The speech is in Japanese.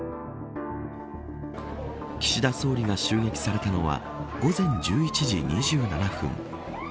岸田総理が襲撃されたのは午前１１時２７分。